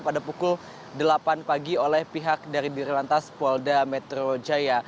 pada pukul delapan pagi oleh pihak dari diri lantas polda metro jaya